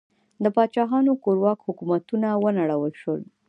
د پاچاهانو کورواک حکومتونه ونړول شول.